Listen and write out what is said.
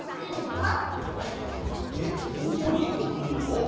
えっどこに送るの？